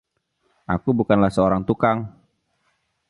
Aku bukanlah seorang tukang.